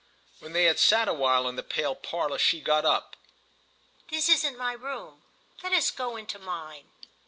When they had sat a while in the pale parlour she got up—"This isn't my room: let us go into mine."